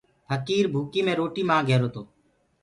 ڦڪير ڀوڪي مي روٽيٚ مآنگ رهيرو تو۔